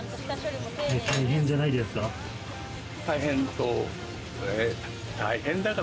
大変じゃないですか？